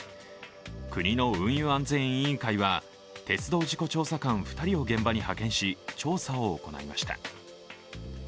国の運輸安全委員会は鉄道事故調査官２人を現場に派遣し調査を行いました。